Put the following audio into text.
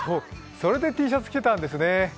それでＴシャツ着てたんですね。